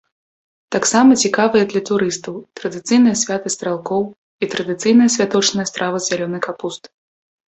Таксама цікавыя для турыстаў традыцыйныя святы стралкоў і традыцыйная святочная страва з зялёнай капусты.